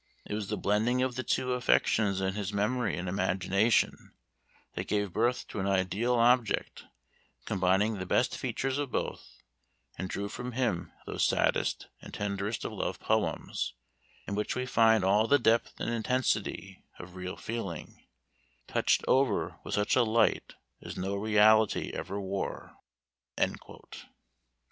It was the blending of the two affections in his memory and imagination, that gave birth to an ideal object combining the best features of both, and drew from him those saddest and tenderest of love poems, in which we find all the depth and intensity of real feeling, touched over with such a light as no reality ever wore."